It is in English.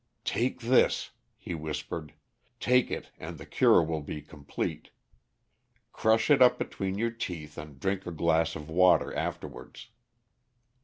"Take this," he whispered. "Take it and the cure will be complete. Crush it up between your teeth and drink a glass of water afterwards."